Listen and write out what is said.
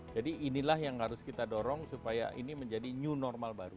jadi inilah yang harus kita dorong supaya ini menjadi new normal baru